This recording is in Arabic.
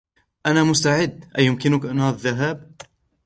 أنا مستعد! أيمكننا الذهاب؟